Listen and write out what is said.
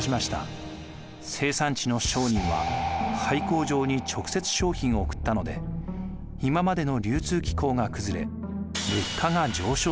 生産地の商人は開港場に直接商品を送ったので今までの流通機構が崩れ物価が上昇しました。